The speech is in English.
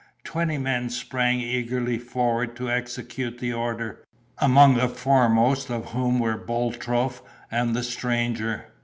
Twenty men sprang eagerly forward to execute the order, among the foremost of whom were Boltrope and the stranger.